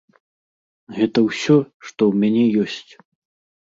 Гэта ўсё, што ў мяне ёсць.